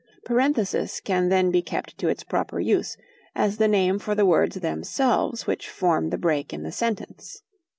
"Parenthesis" can then be kept to its proper use, as the name for the words themselves which form the break in the sentence.